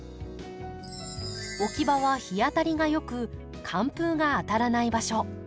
置き場は日当たりが良く寒風が当たらない場所。